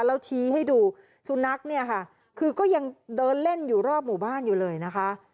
แล้วชี้ให้ดูสุนัขเนี่ยค่ะคือก็ยังเดินเล่นอยู่รอบหมู่บ้านอยู่เลยนะคะ